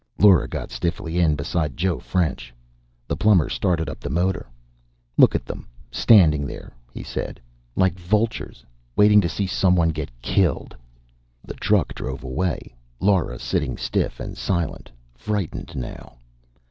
Lora got stiffly in beside Joe French. The plumber started up the motor. "Look at them, standing there," he said. "Like vultures. Waiting to see someone get killed." The truck drove away, Lora sitting stiff and silent, frightened now.